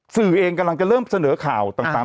สื่อเองกำลังจะเริ่มเสนอข่าวต่าง